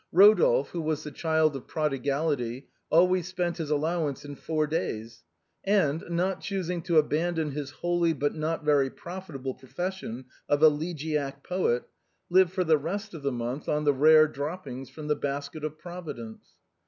Rodolphe, who was the child of prodigality, always spent his allowance in four days ; and, not choosing to abandon his holy but not very profitable profession of elegiac poet, lived for the rest of the month on the rare droppings from the basket of Providence.